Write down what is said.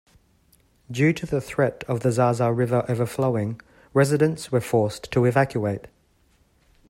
Due to the threat of the Zaza River overflowing, residents were forced to evacuate.